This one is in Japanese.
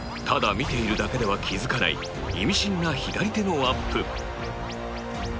ただ見ているだけでは気付かないイミシンな左手のアップ